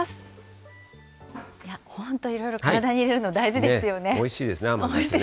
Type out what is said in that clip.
本当、いろいろ体に入れるのおいしいですね、甘酒ね。